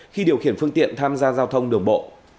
khi điều khiển phương tiện tham gia giao thông đường bộ